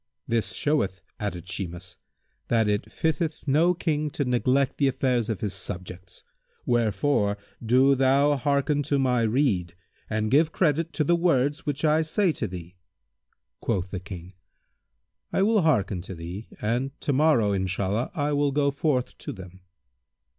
"This showeth," added Shimas, "that it fitteth no King to neglect the affairs of his subjects; wherefore do thou hearken to my rede and give credit to the words which I say to thee." Quoth the King, "I will hearken to thee and to morrow, Inshallah, I will go forth to them."